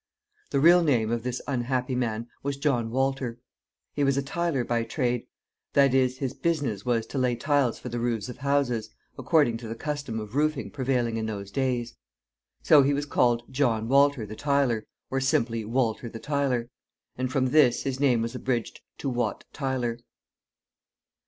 The real name of this unhappy man was John Walter. He was a tiler by trade that is, his business was to lay tiles for the roofs of houses, according to the custom of roofing prevailing in those days. So he was called John Walter, the Tiler, or simply Walter the Tiler; and from this his name was abridged to Wat Tyler.